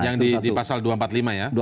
yang di pasal dua ratus empat puluh lima ya